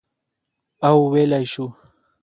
او ویلای شو،